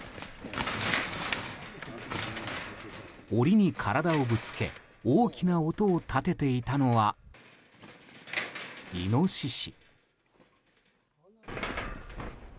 檻に体をぶつけ、大きな音を立てていたのはイノシシ。